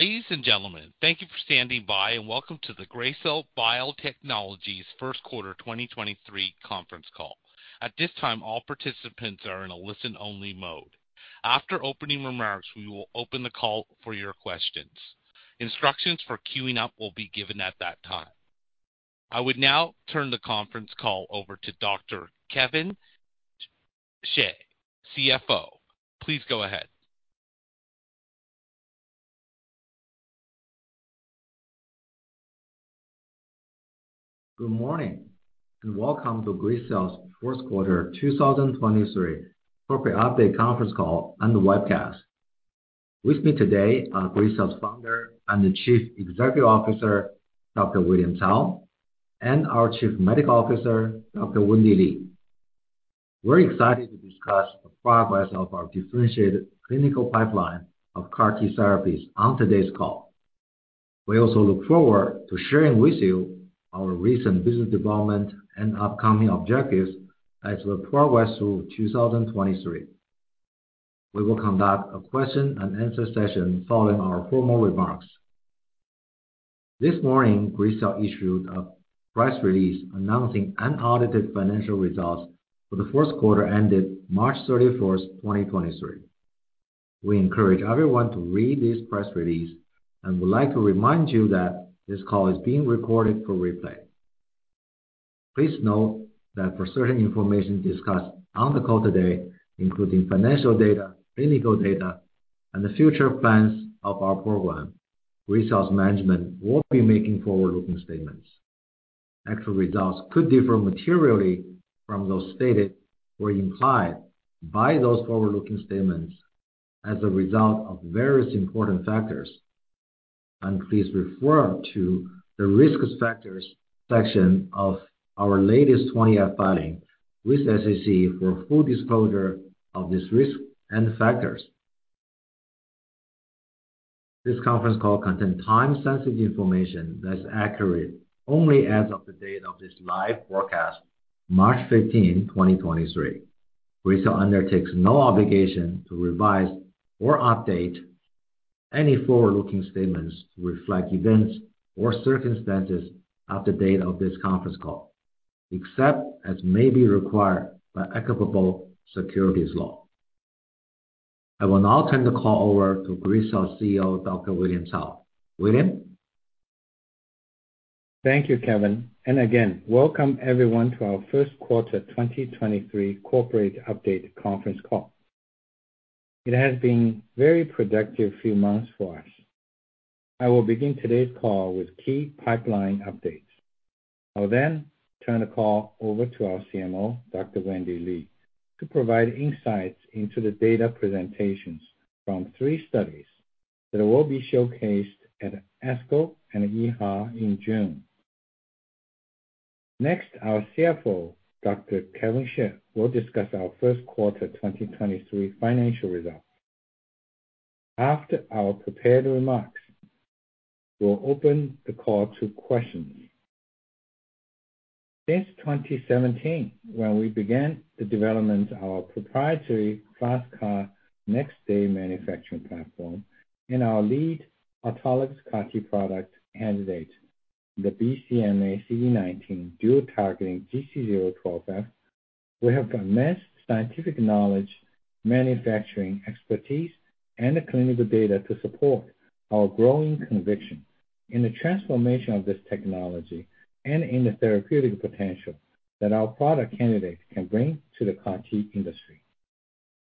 Ladies and gentlemen, thank you for standing by. Welcome to the Gracell Biotechnologies' Q1 2023 conference call. At this time, all participants are in a listen-only mode. After opening remarks, we will open the call for your questions. Instructions for queuing up will be given at that time. I would now turn the conference call over to Dr. Kevin Xie, CFO. Please go ahead. Good morning, and welcome to Gracell's Q1 2023 corporate update conference call and webcast. With me today are Gracell's Founder and the Chief Executive Officer, Dr. William Cao, and our Chief Medical Officer, Dr. Wendy Li. We're excited to discuss the progress of our differentiated clinical pipeline of CAR T therapies on today's call. We also look forward to sharing with you our recent business development and upcoming objectives as we progress through 2023. We will conduct a question and answer session following our formal remarks. This morning, Gracell issued a press release announcing unaudited financial results for the Q1 ended March 31, 2023. We encourage everyone to read this press release and would like to remind you that this call is being recorded for replay. Please note that for certain information discussed on the call today, including financial data, clinical data, and the future plans of our program, Gracell's management will be making forward-looking statements. Actual results could differ materially from those stated or implied by those forward-looking statements as a result of various important factors. Please refer to the Risk Factors section of our latest Form 20-F filing with SEC for full disclosure of this risk and factors. This conference call contains time-sensitive information that is accurate only as of the date of this live broadcast, March 13, 2023. Gracell undertakes no obligation to revise or update any forward-looking statements to reflect events or circumstances at the date of this conference call, except as may be required by applicable securities law. I will now turn the call over to Gracell's CEO, Dr. William Cao. William? Thank you, Kevin, again, welcome everyone to our Q1 2023 corporate update conference call. It has been very productive few months for us. I will begin today's call with key pipeline updates. I'll then turn the call over to our CMO, Dr. Wendy Li, to provide insights into the data presentations from three studies that will be showcased at ASCO and EHA in June. Our CFO, Dr. Kevin Xie, will discuss our Q1 2023 financial results. After our prepared remarks, we'll open the call to questions. Since 2017, when we began the development of our proprietary FasTCAR next day manufacturing platform and our lead autologous CAR T product candidate, the BCMA/CD19 dual targeting GC012F, we have amassed scientific knowledge, manufacturing expertise, and the clinical data to support our growing conviction in the transformation of this technology and in the therapeutic potential that our product candidate can bring to the CAR T industry.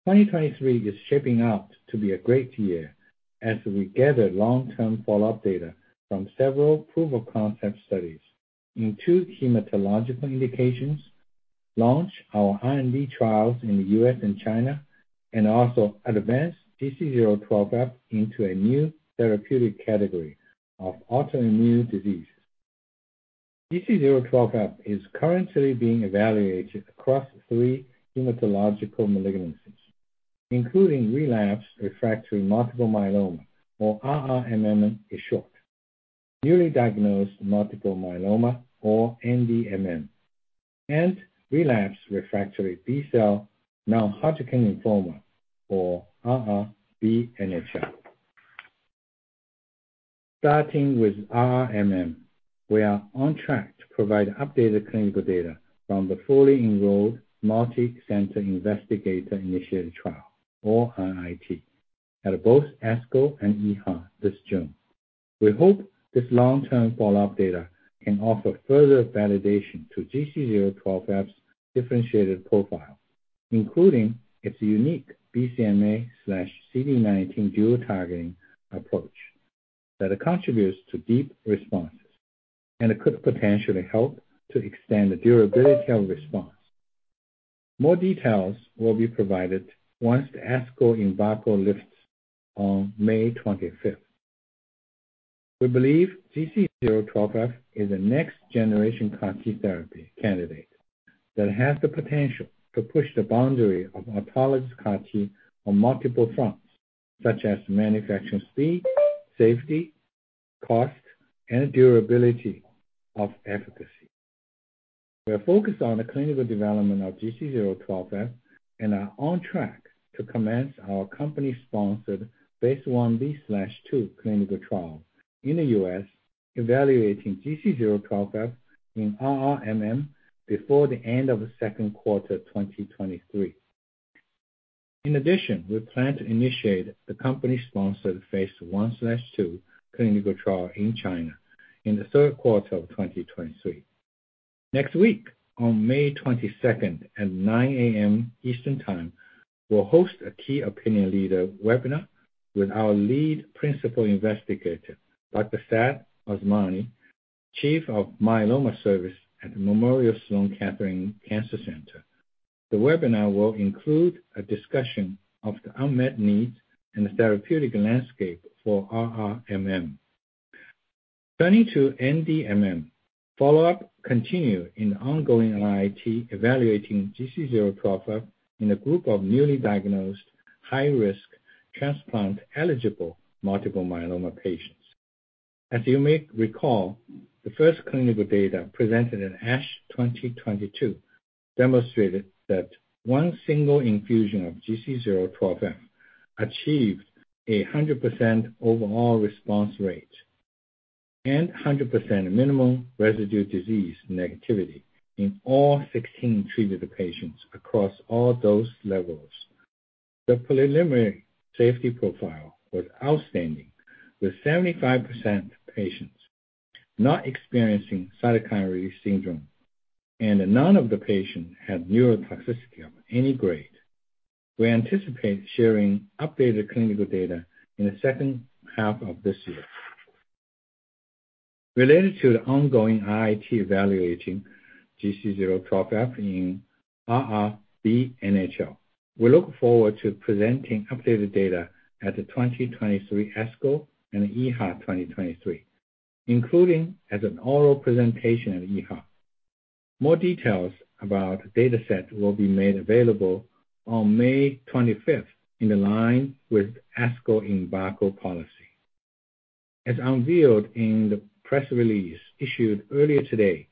2023 is shaping up to be a great year as we gather long-term follow-up data from several proof-of-concept studies in two hematological indications, launch our IND trials in the U.S. and China, and also advance GC012F into a new therapeutic category of autoimmune disease. GC012F is currently being evaluated across three hematological malignancies, including relapse refractory multiple myeloma or RRMM in short, newly diagnosed multiple myeloma or NDMM, and relapse refractory B-cell non-Hodgkin's lymphoma or R/R B-NHL. Starting with RRMM, we are on track to provide updated clinical data from the fully enrolled Multi-center Investigator-Initiated Trial or IIT at both ASCO and EHA this June. We hope this long-term follow-up data can offer further validation to GC012F's differentiated profile, including its unique BCMA/CD19 dual-targeting approach that contributes to deep responses and could potentially help to extend the durability of response. More details will be provided once the ASCO embargo lifts on May 25th. We believe GC012F is a next-generation CAR T therapy candidate that has the potential to push the boundary of autologous CAR T on multiple fronts, such as manufacturing speed, safety, cost, and durability of efficacy. We are focused on the clinical development of GC012F, and are on track to commence our company-sponsored Phase 1b/2 clinical trial in the U.S., evaluating GC012F in RRMM before the end of the Q2 2023. In addition, we plan to initiate the company's sponsored Phase 1/2 clinical trial in China in the Q3 of 2023. Next week, on May 22nd at 9:00 A.M. Eastern Time, we'll host a key opinion leader webinar with our lead principal investigator, Dr. Saad Usmani, Chief of Myeloma Service at Memorial Sloan Kettering Cancer Center. The webinar will include a discussion of the unmet need and the therapeutic landscape for RRMM. Turning to NDMM, follow-up continue in ongoing IIT evaluating GC012F in a group of newly diagnosed high-risk transplant-eligible multiple myeloma patients. As you may recall, the first clinical data presented in ASH 2022 demonstrated that one single infusion of GC012F achieved a 100% overall response rate and a 100% minimum residual disease negativity in all 16 treated patients across all dose levels. The preliminary safety profile was outstanding, with 75% of patients not experiencing cytokine release syndrome, and none of the patients had neurotoxicity of any grade. We anticipate sharing updated clinical data in the second half of this year. Related to the ongoing IIT evaluating GC012F in RRBNHL, we look forward to presenting updated data at the 2023 ASCO and EHA 2023, including as an oral presentation at EHA. More details about data set will be made available on May 25th in line with ASCO embargo policy. As unveiled in the press release issued earlier today,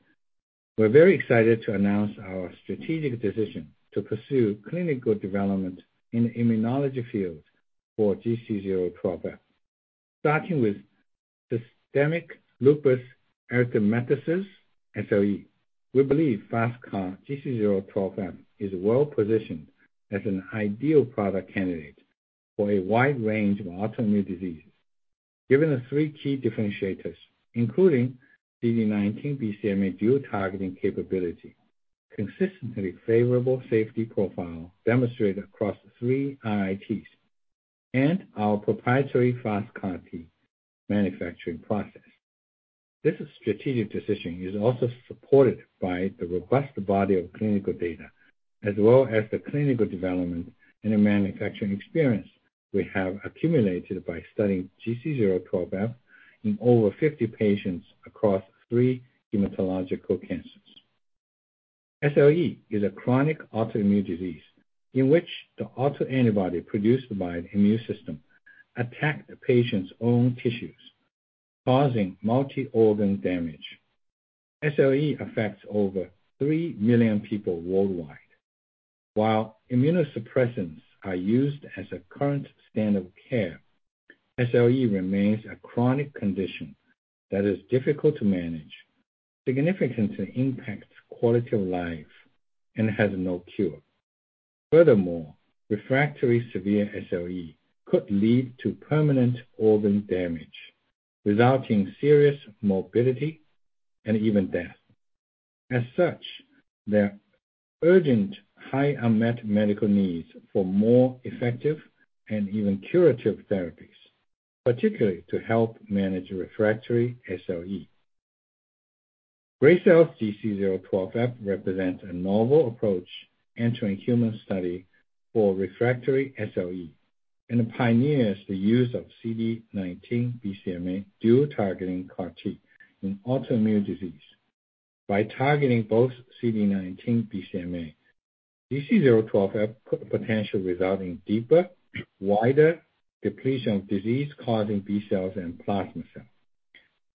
we're very excited to announce our strategic decision to pursue clinical development in the immunology field for GC012F. Starting with systemic lupus erythematosus, SLE, we believe FasTCAR GC012F is well-positioned as an ideal product candidate for a wide range of autoimmune disease. Given the 3 key differentiators, including CD19 BCMA dual targeting capability, consistently favorable safety profile demonstrated across 3 IITs, and our proprietary FasTCAR manufacturing process. This strategic decision is also supported by the robust body of clinical data, as well as the clinical development and the manufacturing experience we have accumulated by studying GC012F in over 50 patients across 3 hematological cancers. SLE is a chronic autoimmune disease in which the autoantibody produced by an immune system attack the patient's own tissues, causing multi-organ damage. SLE affects over 3 million people worldwide. While immunosuppressants are used as a current standard care, SLE remains a chronic condition that is difficult to manage, significantly impacts quality of life, and has no cure. Furthermore, refractory severe SLE could lead to permanent organ damage, resulting in serious morbidity and even death. As such, there are urgent high unmet medical needs for more effective and even curative therapies, particularly to help manage refractory SLE. Gracell's GC012F represents a novel approach entering human study for refractory SLE, pioneers the use of CD19 BCMA dual-targeting CAR-T in autoimmune disease. By targeting both CD19 BCMA, GC012F could potentially result in deeper, wider depletion of disease-causing B cells and plasma cells,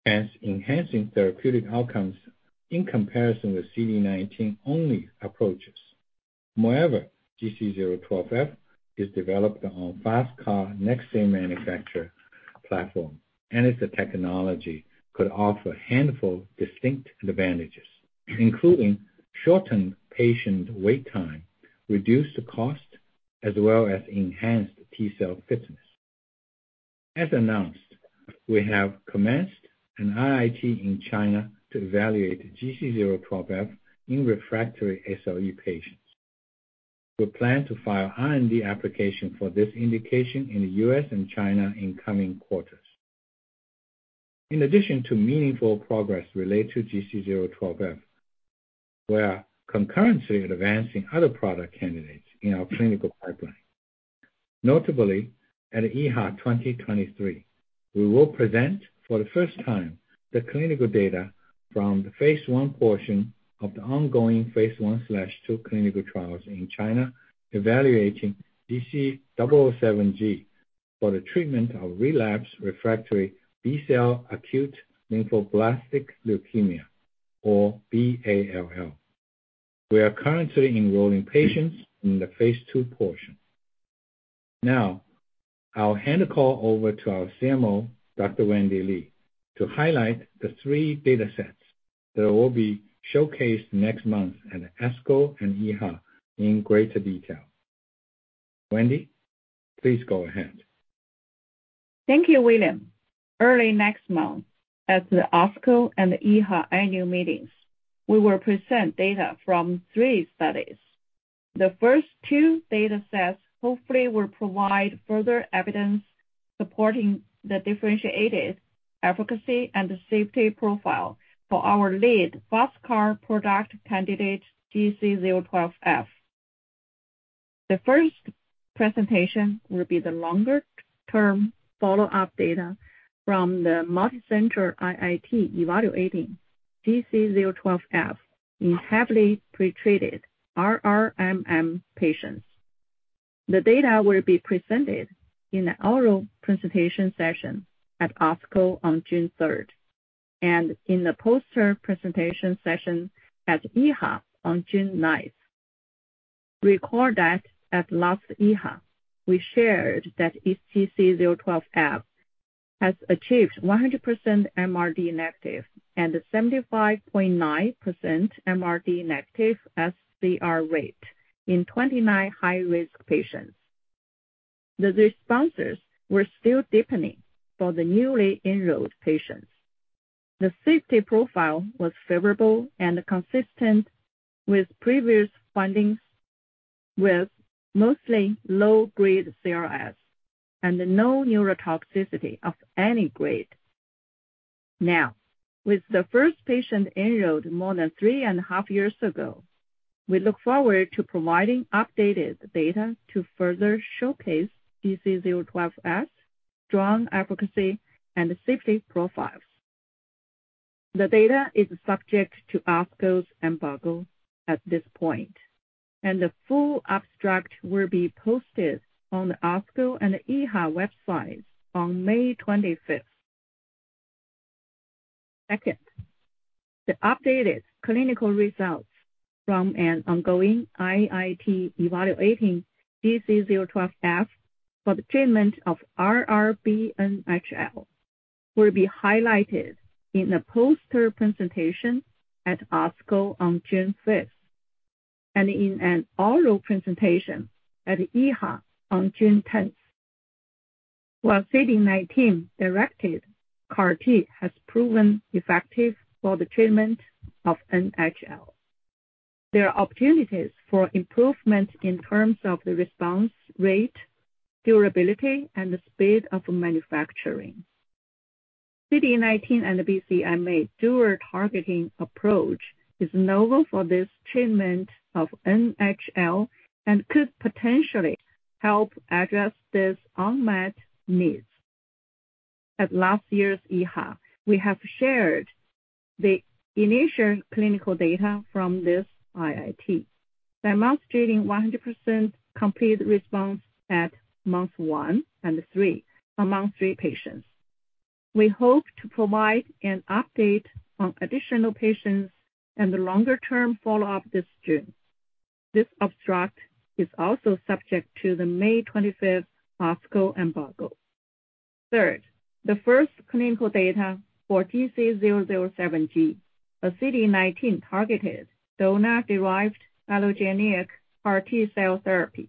hence enhancing therapeutic outcomes in comparison with CD19 only approaches. GC012F is developed on FasTCAR next-day manufacturing platform, and its technology could offer handful distinct advantages, including shortened patient wait time, reduced cost, as well as enhanced T-cell fitness. As announced, we have commenced an IIT in China to evaluate GC012F in refractory SLE patients. We plan to file IND application for this indication in the U.S. and China in coming quarters. In addition to meaningful progress related to GC012F, we are concurrently advancing other product candidates in our clinical pipeline. Notably, at EHA 2023, we will present for the first time the clinical data from the Phase 1 portion of the ongoing Phase 1/2 clinical trials in China evaluating GC007g for the treatment of relapsed refractory B-cell acute lymphoblastic leukemia, or BALL. We are currently enrolling patients in the Phase 2 portion. Now, I'll hand the call over to our CMO, Dr. Wendy Li, to highlight the three data sets that will be showcased next month at ASCO and EHA in greater detail. Wendy Li, please go ahead. Thank you, William. Early next month, at the ASCO and EHA annual meetings, we will present data from 3 studies. The first two data sets hopefully will provide further evidence supporting the differentiated efficacy and the safety profile for our lead bisCAR product candidate, GC012F. The first presentation will be the longer-term follow-up data from the multicenter IIT evaluating GC012F in heavily pretreated RRMM patients. The data will be presented in the oral presentation session at ASCO on June third, and in the poster presentation session at EHA on June ninth. Recall that at last EHA, we shared that GC012F has achieved 100% MRD negative and a 75.9% MRD negative sCR rate in 29 high-risk patients. The responses were still deepening for the newly enrolled patients. The safety profile was favorable and consistent with previous findings, with mostly low-grade CRS and no neurotoxicity of any grade. Now, with the first patient enrolled more than three and a half years ago, we look forward to providing updated data to further showcase GC012F's strong efficacy and safety profiles. The data is subject to ASCO's embargo at this point, and the full abstract will be posted on the ASCO and EHA websites on May 25th. Second, the updated clinical results from an ongoing IIT evaluating GC012F for the treatment of R/R B-NHL will be highlighted in a poster presentation at ASCO on June 5th, and in an oral presentation at EHA on June 10th. While CD19-directed CAR-T has proven effective for the treatment of NHL, there are opportunities for improvement in terms of the response rate, durability, and the speed of manufacturing. CD19 and BCMA dual targeting approach is novel for this treatment of NHL and could potentially help address these unmet needs. At last year's EHA, we have shared the initial clinical data from this IIT, demonstrating 100% complete response at month one and three among three patients. We hope to provide an update on additional patients and the longer-term follow-up this June. This abstract is also subject to the May 25th ASCO embargo. Third, the first clinical data for GC007g, a CD19-targeted donor-derived allogeneic CAR T-cell therapy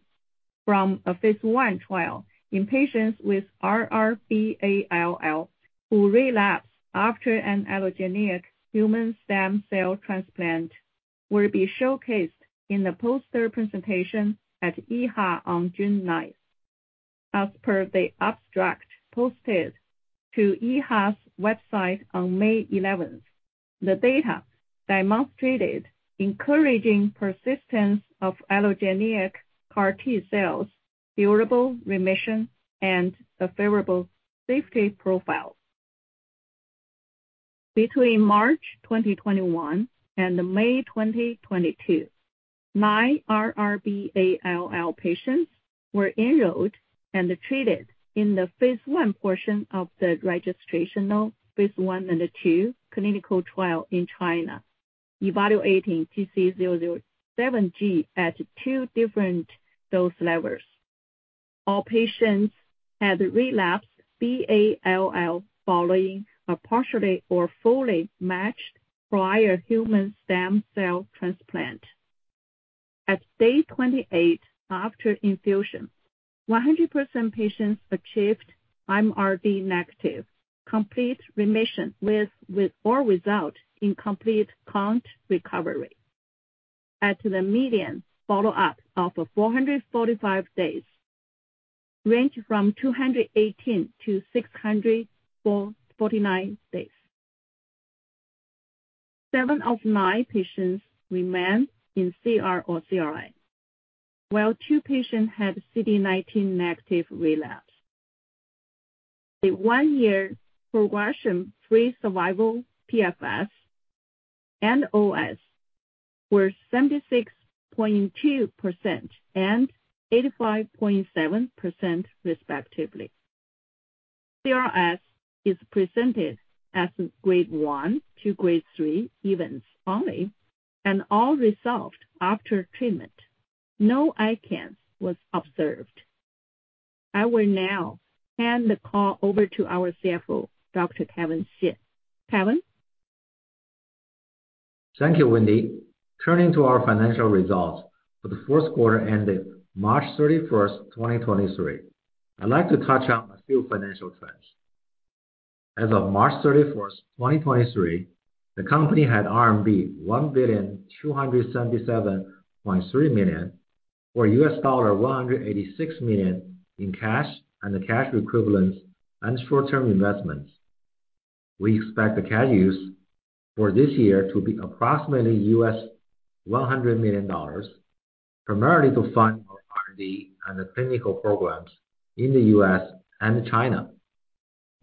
from a Phase 1 trial in patients with RRBALL who relapsed after an allogeneic human stem cell transplant, will be showcased in a poster presentation at EHA on June 9th. As per the abstract posted to EHA's website on May 11th, the data demonstrated encouraging persistence of allogeneic CAR T-cells, durable remission, and a favorable safety profile. Between March 2021 and May 2022, 9 RRBALL patients were enrolled and treated in the Phase 1 portion of the registrational Phase 1 and 2 clinical trial in China, evaluating GC007g at 2 different dose levels. All patients had relapsed BALL following a partially or fully matched prior human stem cell transplant. At day 28 after infusion, 100% patients achieved MRD negative complete remission with or without incomplete count recovery. At the median follow-up of 445 days, ranged from 218 to 600 for 49 days. Seven of nine patients remain in CR or CRI, while 2 patients had CD19 negative relapse. The one-year progression-free survival PFS and OS were 76.2% and 85.7% respectively. CRS is presented as Grade one to Grade three events only and all resolved after treatment. No ICANS was observed. I will now hand the call over to our CFO, Dr. Kevin Xie. Kevin? Thank you, Wendy. Turning to our financial results for the Q4 ending March 31st, 2023, I'd like to touch on a few financial trends. As of March 31st, 2023, the company had RMB 1,277.3 million, or $186 million, in cash and the cash equivalents and short-term investments. We expect the cash use for this year to be approximately $100 million, primarily to fund our R&D and the clinical programs in the U.S. and China.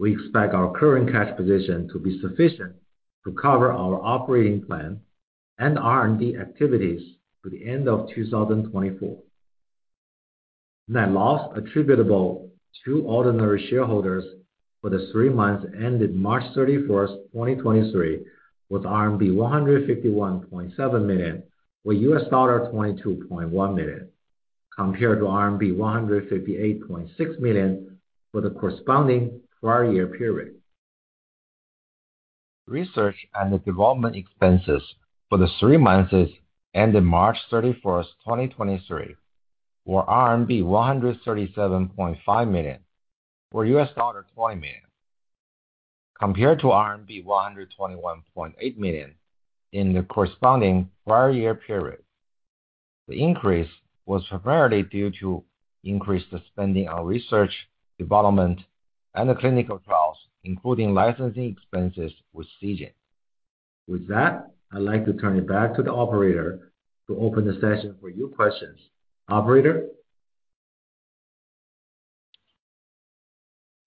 We expect our current cash position to be sufficient to cover our operating plan and R&D activities through the end of 2024. Net loss attributable to ordinary shareholders for the three months ended March 31, 2023, was RMB 151.7 million, or $22.1 million, compared to RMB 158.6 million for the corresponding prior year period. Research and the development expenses for the three months ended March 31, 2023, were RMB 137.5 million, or $20 million, compared to RMB 121.8 million in the corresponding prior year period. The increase was primarily due to increased spending on research, development, and the clinical trials, including licensing expenses with Seagen. With that, I'd like to turn it back to the operator to open the session for your questions. Operator?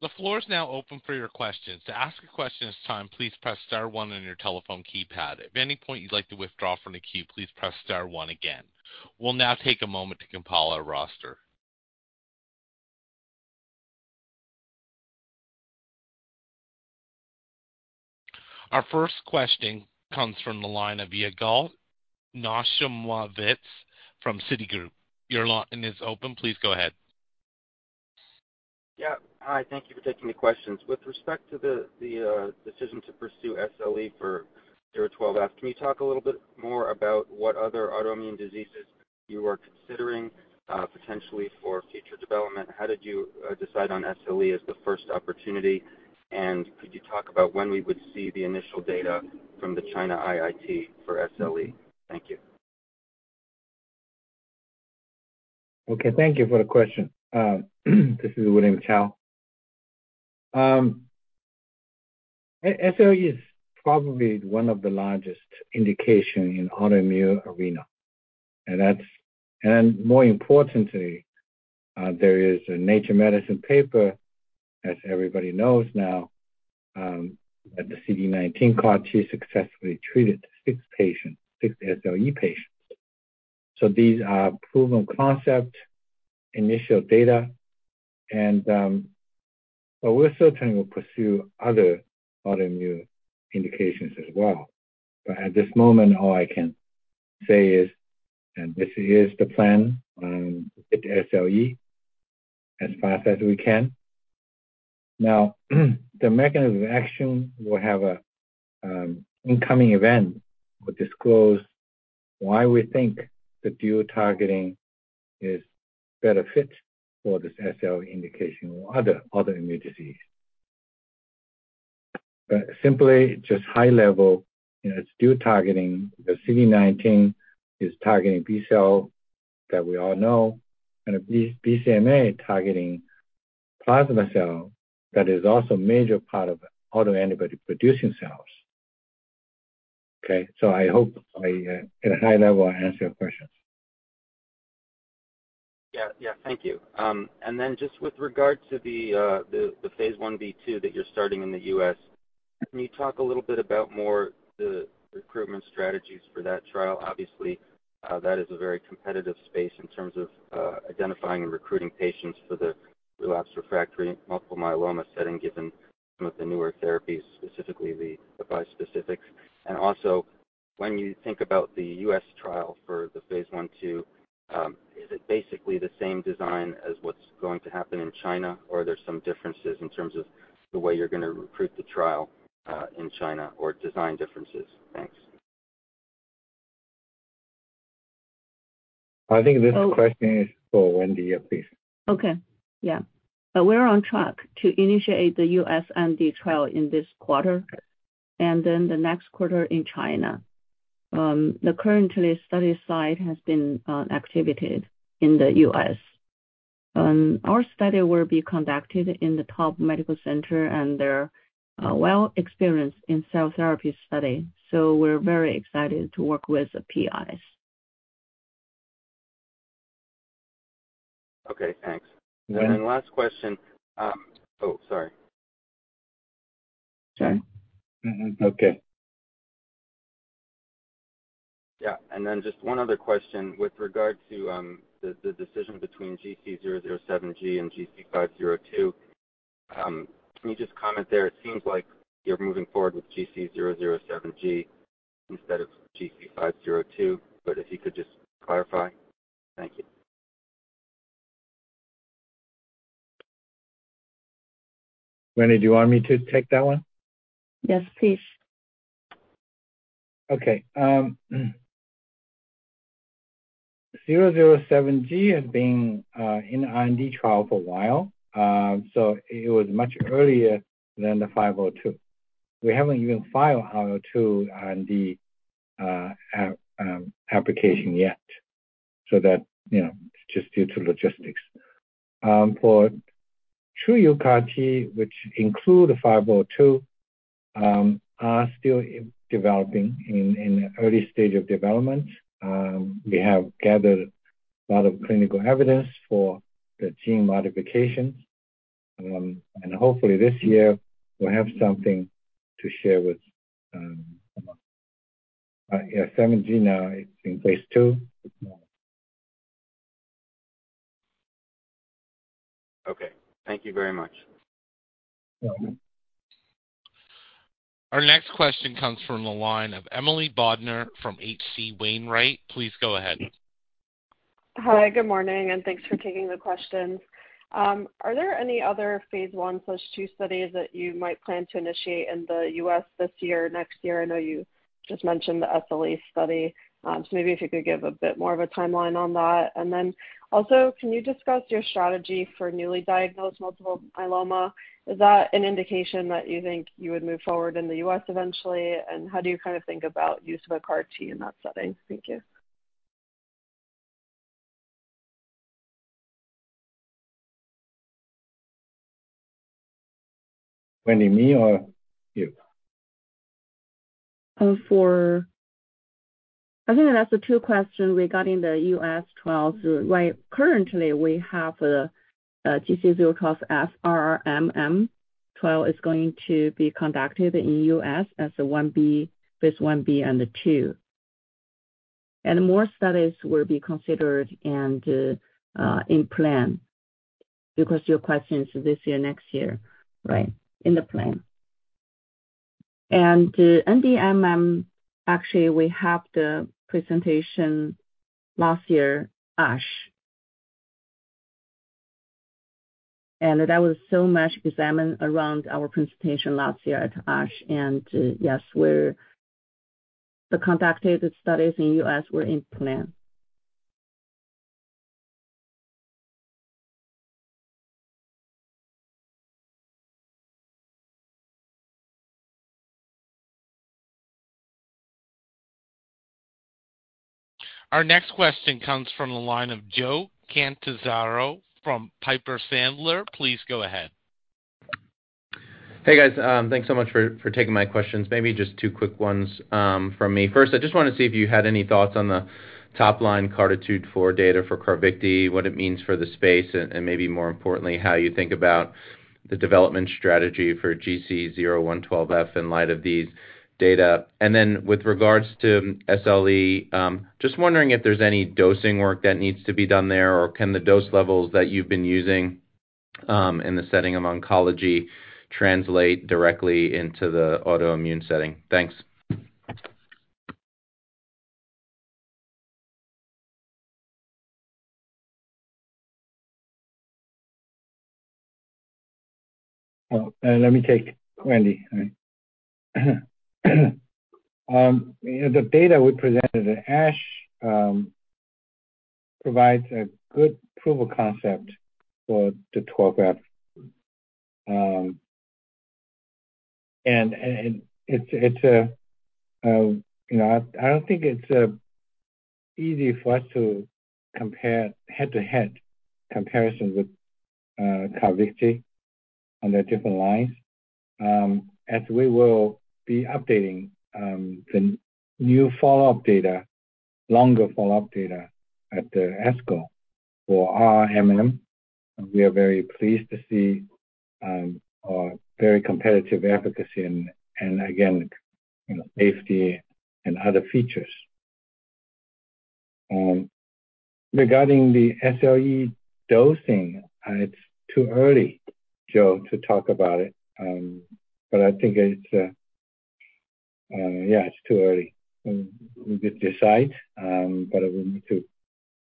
The floor is now open for your questions. To ask a question this time, please press star one on your telephone keypad. If at any point you'd like to withdraw from the queue, please press star one again. We'll now take a moment to compile our roster. Our first question comes from the line of Yigal Nochomovitz from Citigroup. Your line is open. Please go ahead. Yeah. Hi, thank you for taking the questions. With respect to the decision to pursue SLE for GC012F, can you talk a little bit more about what other autoimmune diseases you are considering, potentially for future development? How did you decide on SLE as the first opportunity? Could you talk about when we would see the initial data from the China IIT for SLE? Thank you. Okay, thank you for the question. This is William Cao. SLE is probably one of the largest indication in autoimmune arena. More importantly, there is a Nature Medicine paper, as everybody knows now, that the CD19 CAR T successfully treated 6 patients, 6 SLE patients. These are proven concept initial data. We're still trying to pursue other autoimmune indications as well. At this moment, all I can say is, and this is the plan, with SLE, as fast as we can. The mechanism of action will have a incoming event. We'll disclose why we think the dual targeting is better fit for this SLE indication or other immune disease. Simply just high level, you know, it's dual targeting. The CD19 is targeting B-cell that we all know, and BCMA targeting plasma cell, that is also a major part of autoantibody producing cells. Okay? I hope I, at a high level, answer your questions. Yeah, thank you. Then just with regards to the Phase 1B/2 that you're starting in the U.S., can you talk a little bit about more the recruitment strategies for that trial? Obviously, that is a very competitive space in terms of identifying and recruiting patients for the relapsed/refractory multiple myeloma setting, given some of the newer therapies, specifically the bispecifics. Also, when you think about the U.S. trial for the Phase 1/2, is it basically the same design as what's going to happen in China? Or are there some differences in terms of the way you're going to recruit the trial in China or design differences? Thanks. I think this question is for Wendy. Yeah, please. Okay. Yeah. We're on track to initiate the U.S. MD trial in this quarter, and then the next quarter in China. The currently study site has been activated in the U.S. Our study will be conducted in the top medical center, and they're well experienced in cell therapy study. We're very excited to work with the PIs. Okay, thanks. Last question, Oh, sorry. Okay. Yeah. Just one other question with regard to, the decision between GC007g and GC502. Can you just comment there? It seems like you're moving forward with GC007g instead of GC502, but if you could just clarify. Thank you. Wendy, do you want me to take that one? Yes, please. Okay. GC007g has been in IND trial for a while, so it was much earlier than the GC502. We haven't even filed our GC502 IND application yet. That, you know, just due to logistics. For TruUCAR, which include the GC502, are still developing in early stage of development. We have gathered a lot of clinical evidence for the gene modifications, and hopefully, this year we'll have something to share with. Yeah, GC007g now is in Phase 2. Okay. Thank you very much. You're welcome. Our next question comes from the line of Emily Bodnar from H.C. Wainwright. Please go ahead. Hi. Good morning, and thanks for taking the questions. Are there any other Phase 1 plus 2 studies that you might plan to initiate in the U.S. this year, next year? I know you just mentioned the SLE study, so maybe if you could give a bit more of a timeline on that. Also, can you discuss your strategy for newly diagnosed multiple myeloma? Is that an indication that you think you would move forward in the U.S. eventually? How do you kind of think about use of a CAR T in that setting? Thank you. Wendy, me or you? I think that's the 2 questions regarding the U.S. trials. Right. Currently we have the GC012F RRMM trial is going to be conducted in U.S. as a Phase 1B and a 2. More studies will be considered and in plan. Your question is this year, next year. Right. In the plan. The NDMM, actually we have the presentation last year, ASH. That was so much examined around our presentation last year at ASH and yes, the conducted studies in U.S. were in plan. Our next question comes from the line of Joseph Catanzaro from Piper Sandler. Please go ahead. Hey, guys. Thanks so much for taking my questions. Maybe just two quick ones from me. First, I just want to see if you had any thoughts on the top line CARTITUDE-4 data for Carvykti, what it means for the space and maybe more importantly, how you think about the development strategy for GC012F in light of these data? With regards to SLE, just wondering if there's any dosing work that needs to be done there or can the dose levels that you've been using, in the setting of oncology translate directly into the autoimmune setting? Thanks. Let me take, Wendy. All right. The data we presented at ASH provides a good proof of concept for the 12F. It's a, you know, I don't think it's easy for us to compare head-to-head comparison with Carvykti on the different lines. As we will be updating the new follow-up data, longer follow-up data at the ASCO for RRMM, we are very pleased to see a very competitive efficacy and again, you know, safety and other features. Regarding the SLE dosing, it's too early, Joe, to talk about it. I think it's, yeah, it's too early. We could decide, we need to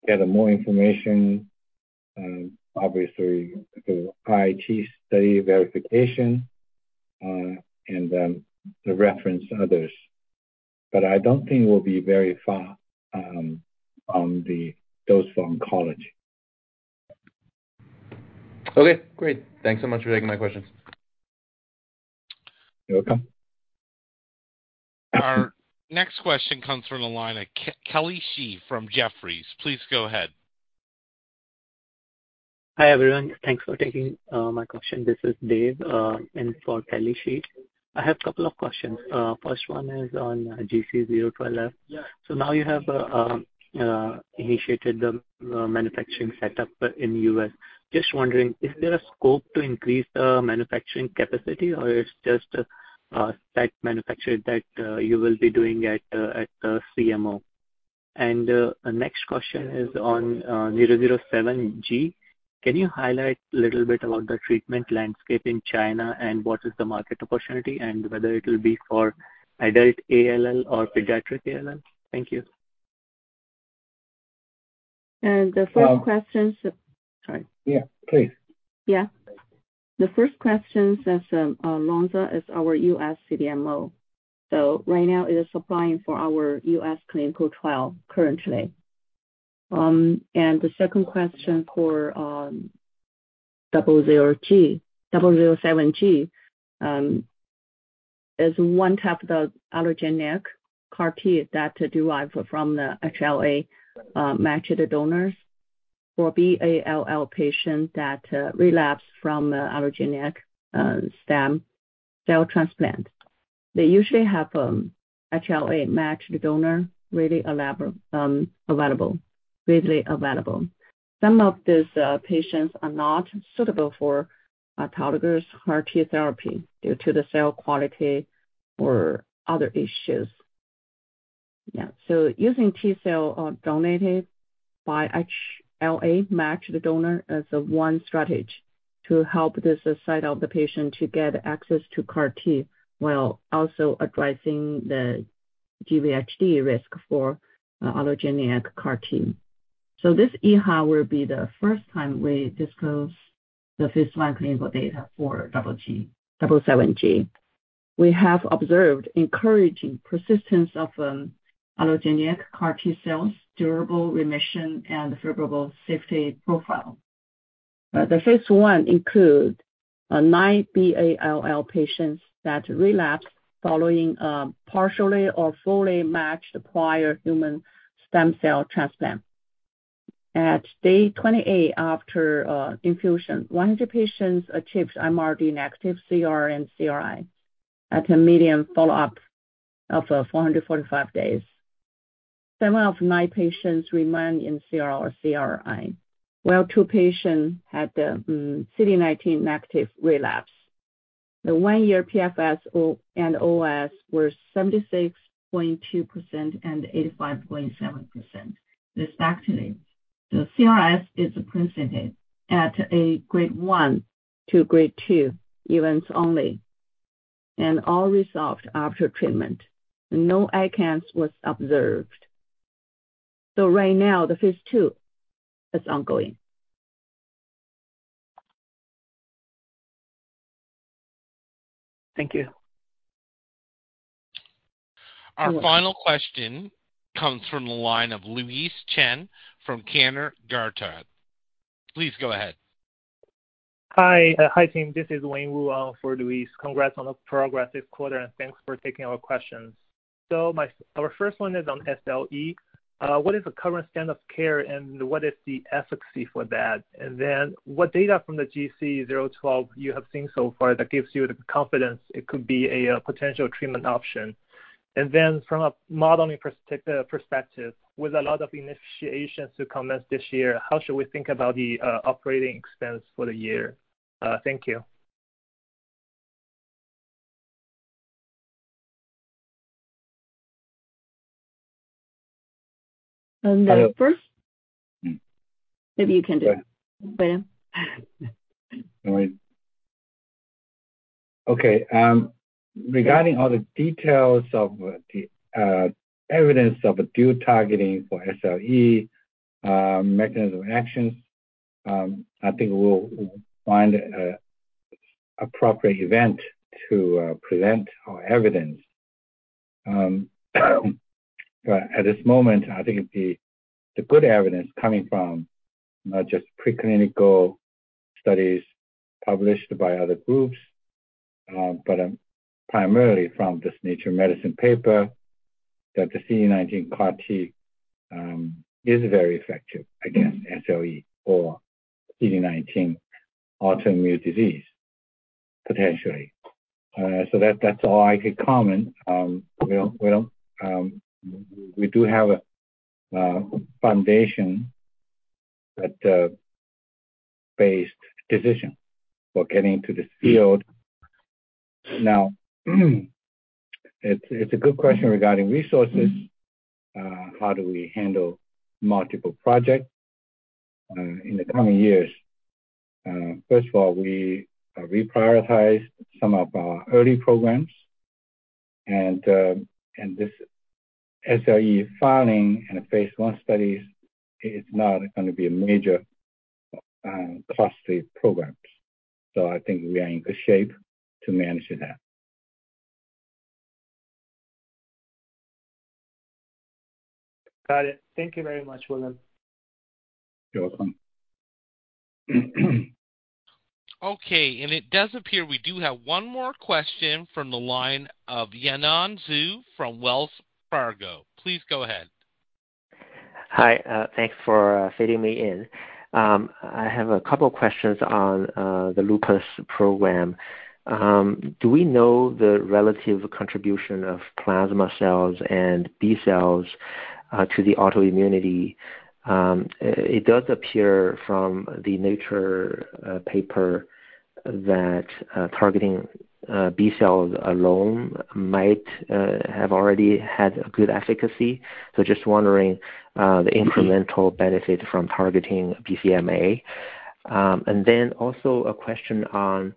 gather more information, obviously through the IIT study verification, and then the reference others. I don't think we'll be very far on the dose for oncology. Okay, great. Thanks so much for taking my questions. You're welcome. Our next question comes from the line of Kelly Shi from Jefferies. Please go ahead. Hi, everyone. Thanks for taking my question. This is Dave, and for Kelly Shi. I have a couple of questions. First one is on GC012F. Now you have initiated the manufacturing setup in U.S. Just wondering, is there a scope to increase the manufacturing capacity, or it's just that manufacture that you will be doing at the CMO? The next question is on GC007g. Can you highlight a little bit about the treatment landscape in China and what is the market opportunity and whether it'll be for adult ALL or pediatric ALL? Thank you. The first question. Well- Sorry. Yeah, please. Yeah. The first question says, Lonza is our US CDMO. Right now it is supplying for our US clinical trial currently. The second question for GC007g is one type of the allogeneic CAR T that derive from the HLA matched donors for BALL patient that relapsed from allogeneic stem cell transplant. They usually have HLA matched donor, readily available. Some of these patients are not suitable for autologous CAR T therapy due to the cell quality or other issues. Yeah, using T-cell donated by HLA matched donor is one strategy to help this site of the patient to get access to CAR T while also addressing the GHD risk for allogeneic CAR T. This EHA will be the first time we disclose the first line clinical data for GC007g. We have observed encouraging persistence of allogeneic CAR T cells, durable remission and favorable safety profile. The Phase 1 include nine BALL patients that relapse following partially or fully matched prior human stem cell transplant. At day 28 after infusion, one of the patients achieves MRD negative CR and CRI at a medium follow-up of 445 days. Seven of nine patients remain in CR or CRI, while two patients had CD19 negative relapse. The one-year PFS and OS were 76.2% and 85.7% respectively. The CRS is presented at a grade one to grade two events only and all resolved after treatment. No ICANS was observed. Right now the Phase 2 is ongoing. Thank you. Our final question comes from the line of Louise Chen from Cantor Fitzgerald. Please go ahead. Hi, team. This is Wayne Wu for Louise. Congrats on a progressive quarter, and thanks for taking our questions. Our first one is on SLE. What is the current standard of care, and what is the efficacy for that? What data from the GC012F you have seen so far that gives you the confidence it could be a potential treatment option? From a modeling perspective, with a lot of initiations to commence this year, how should we think about the operating expense for the year? Thank you. That first? Hello. Maybe you can do it, William. All right. Okay, regarding all the details of the evidence of a dual targeting for SLE, mechanism of actions, I think we'll find a appropriate event to present our evidence. At this moment, I think the the good evidence coming from not just preclinical studies published by other groups, but primarily from this Nature Medicine paper that the CD19 CAR T is very effective against SLE or CD19 autoimmune disease, potentially. That's all I could comment. Well, we do have a foundation that based decision for getting into this field. It's a good question regarding resources. How do we handle multiple project in the coming years? First of all, we reprioritized some of our early programs and this SLE filing and Phase 1 studies is not going to be a major, costly programs. I think we are in good shape to manage that. Got it. Thank you very much, William. You're welcome. Okay. It does appear we do have one more question from the line of Yanan Zhu from Wells Fargo. Please go ahead. Hi, thanks for fitting me in. I have a couple questions on the lupus program. Do we know the relative contribution of plasma cells and B cells to the autoimmunity? It does appear from the Nature paper that targeting B cells alone might have already had a good efficacy. Just wondering the incremental benefit from targeting BCMA. Also a question on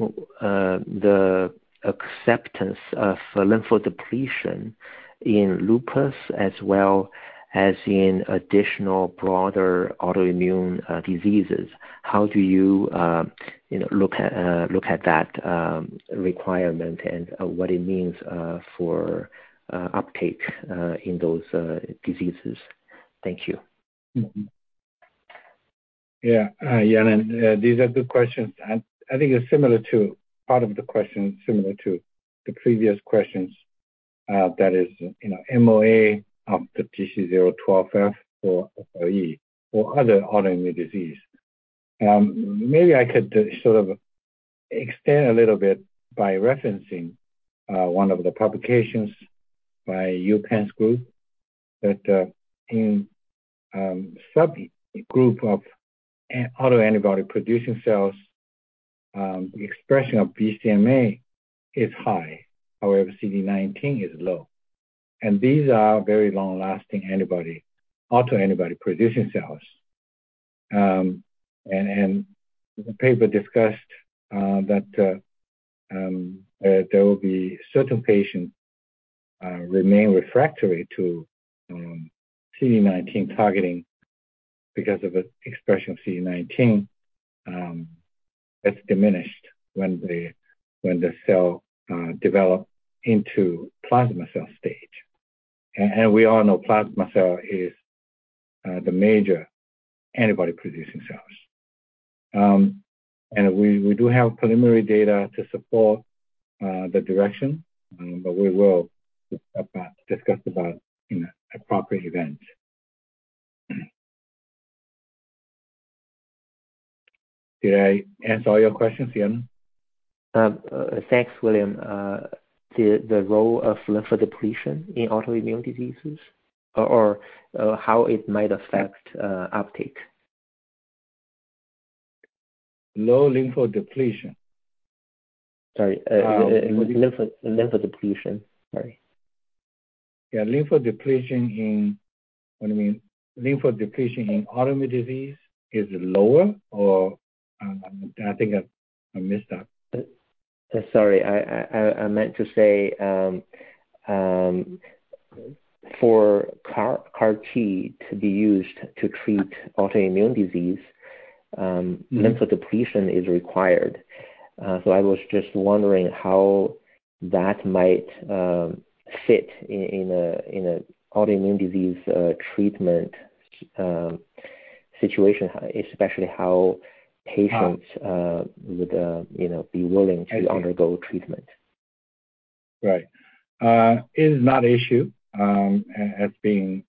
the acceptance of lymphodepletion in lupus as well as in additional broader autoimmune diseases. How do you know, look at that requirement and what it means for uptake in those diseases? Thank you. Yeah. Yanan, these are good questions. I think it's similar to part of the question, similar to the previous questions, you know, MOA of the GC012F or OE for other autoimmune disease. Maybe I could sort of extend a little bit by referencing one of the publications by UPenn's group that in subgroup of autoantibody-producing cells, expression of BCMA is high. However, CD19 is low, and these are very long-lasting antibody, autoantibody-producing cells. The paper discussed that there will be certain patients remain refractory to CD19 targeting because of expression of CD19 that's diminished when the cell develop into plasma cell stage. We all know plasma cell is the major antibody-producing cells. We do have preliminary data to support the direction, but we will discuss about in appropriate event. Did I answer all your questions, Yanan? Thanks, William. The role of lymphodepletion in autoimmune diseases or how it might affect, uptake. Low lymphodepletion. Sorry. lymphodepletion. Sorry. Yeah, lymphodepletion in... What do you mean? Lymphodepletion in autoimmune disease is lower or? I think I missed that. Sorry, I meant to say, for CAR T to be used to treat autoimmune disease. Lymphodepletion is required. I was just wondering how that might fit in a autoimmune disease, treatment, situation, especially how patients- would, you know, be willing to- I see. undergo treatment. Right. It is not an issue, as being,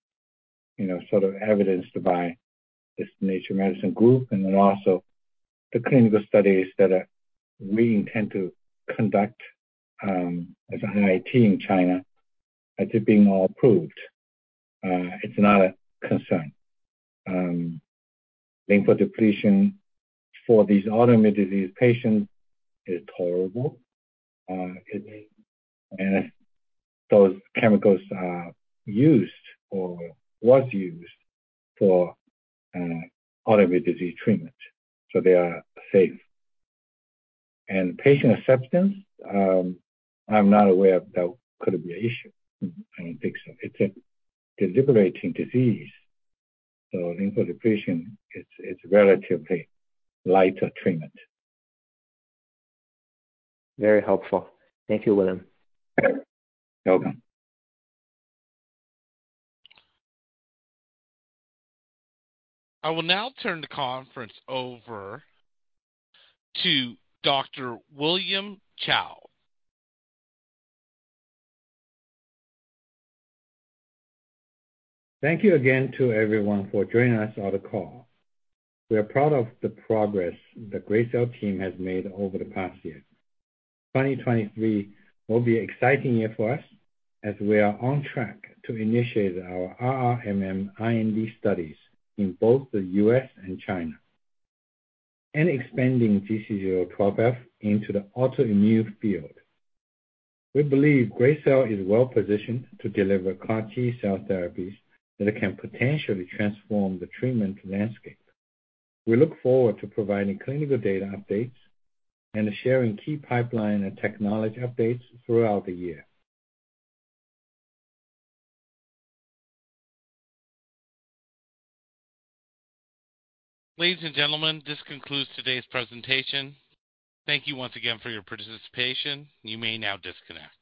you know, sort of evidenced by this Nature Medicine group and then also the clinical studies that we intend to conduct, as an IIT in China as they're being all approved. It's not a concern. Lymphodepletion for these autoimmune disease patients is tolerable, and those chemicals are used or was used for autoimmune disease treatment, so they are safe. Patient acceptance, I'm not aware of that could've been an issue. I don't think so. It's a debilitating disease, so lymphodepletion, it's relatively lighter treatment. Very helpful. Thank you, William. Okay. You're welcome. I will now turn the conference over to Dr. William Cao. Thank you again to everyone for joining us on the call. We are proud of the progress the Gracell team has made over the past year. 2023 will be exciting year for us, as we are on track to initiate our RRMM IND studies in both the U.S. and China and expanding GC012F into the autoimmune field. We believe Gracell is well-positioned to deliver CAR T-cell therapies that can potentially transform the treatment landscape. We look forward to providing clinical data updates and sharing key pipeline and technology updates throughout the year. Ladies and gentlemen, this concludes today's presentation. Thank you once again for your participation. You may now disconnect.